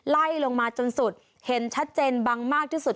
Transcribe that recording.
ไล่ลงมาจนสุดเห็นชัดเจนบังมากที่สุด